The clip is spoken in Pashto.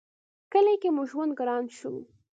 کلي کې مو ژوند گران شو